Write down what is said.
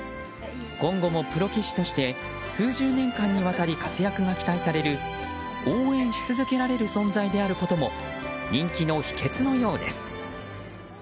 今後もプロ棋士として数十年間にわたり活躍が期待される応援し続けられる存在であることも人気の秘訣のようです。